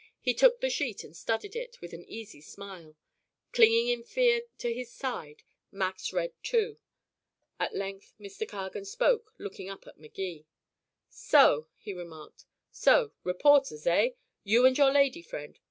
He took the sheet and studied it, with an easy smile. Clinging in fear to his side, Max read, too. At length Mr. Cargan spoke, looking up at Magee. "So," he remarked. "So reporters, eh? You and your lady friend?